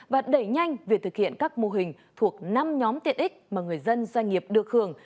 và đẩy nhanh việc thực hiện các mô hình thuộc năm nhóm tiện ích mà người dân doanh nghiệp được hưởng